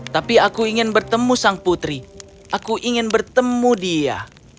tapi aku ingin bertemu sang putri aku ingin bertemu dia